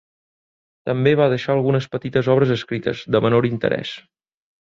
També va deixar algunes petites obres escrites, de menor interès.